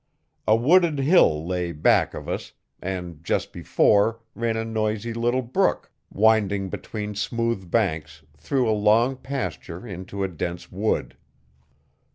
A wooded hill lay back of us, and, just before, ran a noisy little brook, winding between smooth banks, through a long pasture into a dense wood.